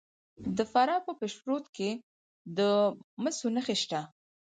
د فراه په پشت رود کې د مسو نښې شته.